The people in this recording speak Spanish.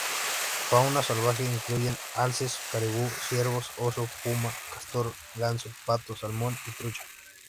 Fauna salvaje incluyen: alces, caribú, ciervos, oso, puma, castor, ganso, pato, salmón y trucha.